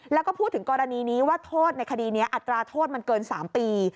แล้วก็พูดถึงกรณีนี้ว่าโทษในคดีนี้อัตราโทษมันเกิน๓ปี